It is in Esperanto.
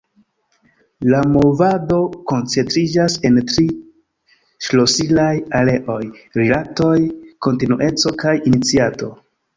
La movado koncentriĝas en tri ŝlosilaj areoj: rilatoj, kontinueco kaj iniciato.